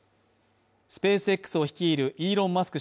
スペースＸを率いるイーロン・マスク